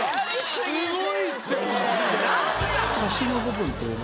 すごいっすよ。